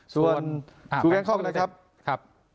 ส่วนกองแกนข้อมูลนะครับ